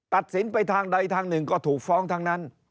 ตัดสินไปทางใดทางหนึ่งก็ถูกฟ้องทั้งนั้น